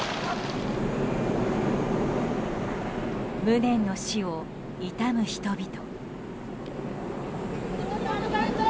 無念の死を悼む人々。